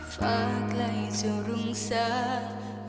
เฟ้าใกล้จะรุ่งซาก